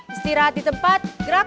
istirahat di tempat gerak